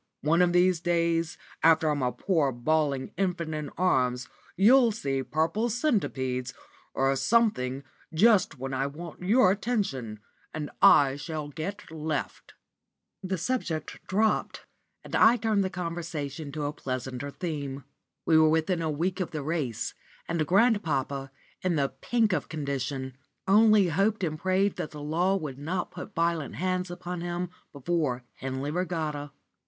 One of these days, after I'm a poor bawling infant in arms, you'll see purple centipedes or something just when I want your attention, and I shall get left." The subject dropped, and I turned the conversation to a pleasanter theme. We were within a week of the race, and grandpapa, in the pink of condition, only hoped and prayed that the law would not put violent hands upon him before Henley Regatta.